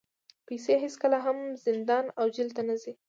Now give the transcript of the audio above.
پیسې هېڅکله هم زندان او جېل ته نه ځي.